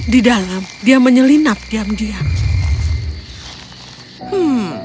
di dalam dia menyelinap diam diam